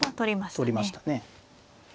取りましたね。